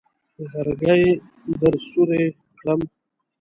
لرګي درسوري کړم.